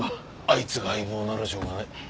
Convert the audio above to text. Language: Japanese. あいつが相棒ならしょうがない。